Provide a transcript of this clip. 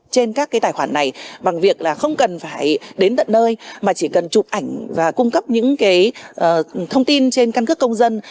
trên các tài khoản này bằng việc không cần phải đến tận nơi mà chỉ cần chụp ảnh và cung cấp những thông tin trên căn cấp công dân